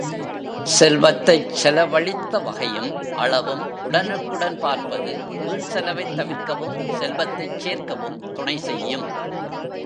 செல்வத்தைச் செலவழித்த வகையும், அளவும், உடனுக்குடன் பார்ப்பது வீண் செலவைத் தவிர்க்கவும், செல்வத்தைச் சேர்க்கவும், துணை செய்யும்.